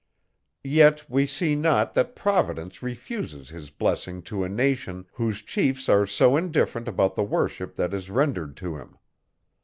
Yet we see not, that Providence refuses his blessing to a nation, whose chiefs are so indifferent about the worship that is rendered to him.